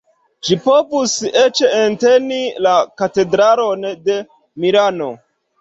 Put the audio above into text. Ĝi povus eĉ enteni la Katedralon de Milano.